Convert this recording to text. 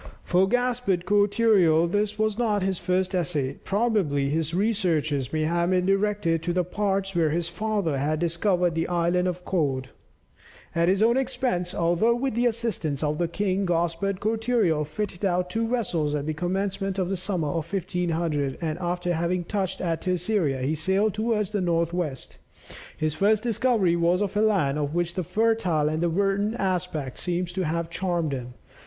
For Gaspard Cortereal this was not his first essay. Probably, his researches may have been directed to the parts where his father had discovered the Island of Cod. At his own expense, although with the assistance of the king, Gaspard Cortereal fitted out two vessels at the commencement of the summer of 1500, and after having touched at Terceira, he sailed towards the north west. His first discovery was of a land of which the fertile and verdant aspect seems to have charmed him.